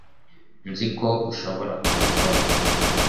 nzi ko ushobora kubikora